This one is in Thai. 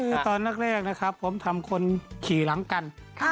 คือตอนแรกนะครับผมทำคนขี่หลังกัน